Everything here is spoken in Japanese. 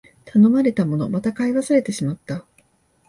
頼まれたもの、また買い忘れてしまった